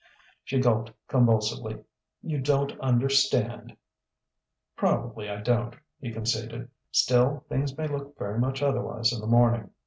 She gulped convulsively: "You don't understand " "Probably I don't," he conceded. "Still, things may look very much otherwise in the morning.